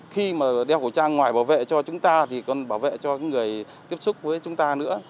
khi mà đeo khẩu trang ngoài bảo vệ cho chúng ta thì còn bảo vệ cho người tiếp xúc với chúng ta nữa